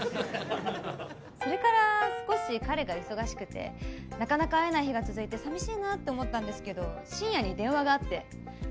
それから少し彼が忙しくてなかなか会えない日が続いて寂しいなって思ったんですけど深夜に電話があって。